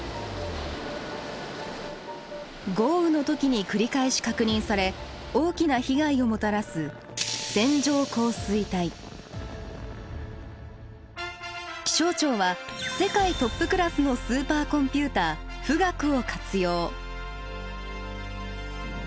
豪雨の時に繰り返し確認され大きな被害をもたらす気象庁は世界トップクラスのスーパーコンピューター「富岳」を活用。